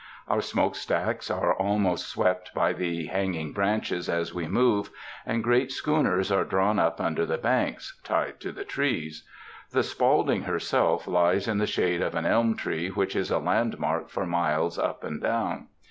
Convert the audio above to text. Our smoke stacks are almost swept by the hanging branches as we move, and great schooners are drawn up under the banks, tied to the trees; the Spaulding herself lies in the shade of an elm tree which is a landmark for miles up and down.